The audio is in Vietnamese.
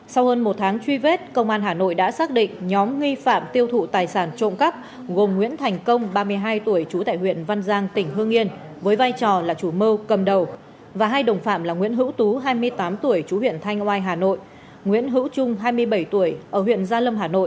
sau hơn một tháng truy vết công an hà nội đã xác định nhóm nghi phạm tiêu thụ tài sản trộm cắp gồm nguyễn thành công ba mươi hai tuổi trú tại huyện văn giang tỉnh hương yên với vai trò là chủ mưu cầm đầu và hai đồng phạm là nguyễn hữu tú hai mươi tám tuổi chú huyện thanh oai hà nội nguyễn hữu trung hai mươi bảy tuổi ở huyện gia lâm hà nội